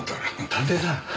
探偵さん？